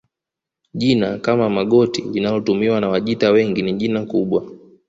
Jina kama Magoti linalotumiwa na Wajita wengi ni jina kubwa